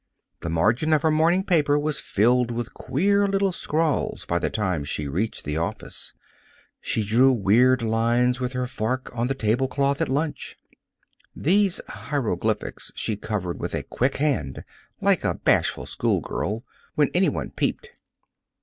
The margin of her morning paper was filled with queer little scrawls by the time she reached the office. She drew weird lines with her fork on the table cloth at lunch. These hieroglyphics she covered with a quick hand, like a bashful schoolgirl, when any one peeped.